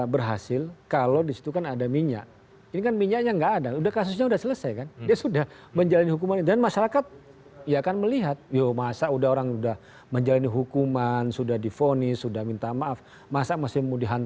baik terima kasih banyak mas guntur omli